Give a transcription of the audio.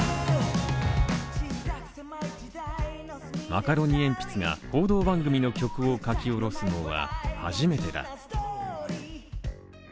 マカロニえんぴつが報道番組の曲を書き下ろすのは初めてだ。